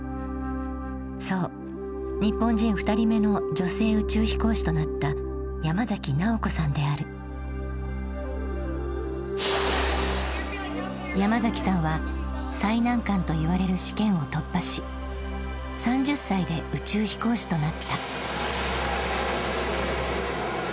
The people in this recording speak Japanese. そう日本人２人目の女性宇宙飛行士となった山崎さんは最難関といわれる試験を突破し３０歳で宇宙飛行士となった。